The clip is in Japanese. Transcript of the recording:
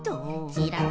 ちらっ。